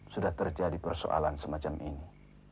sudah terjadi persoalan semacam ini